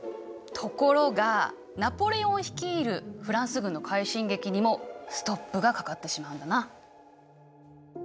ところがナポレオン率いるフランス軍の快進撃にもストップがかかってしまうんだな。